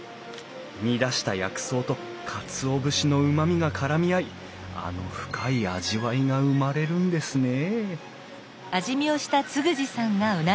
煮出した薬草とカツオ節のうまみがからみ合いあの深い味わいが生まれるんですねえ